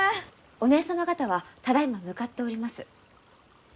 お姐様方はただいま向かっております。